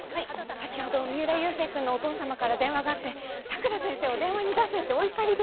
先ほど三浦佑星君のお父様から電話があって佐倉先生を電話に出せってお怒りで。